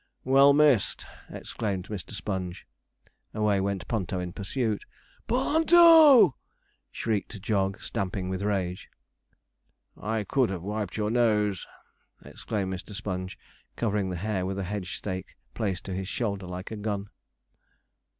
'Well missed!' exclaimed Mr. Sponge. Away went Ponto in pursuit. 'P o o n to!' shrieked Jog, stamping with rage. 'I could have wiped your nose,' exclaimed Mr. Sponge, covering the hare with a hedge stake placed to his shoulder like a gun.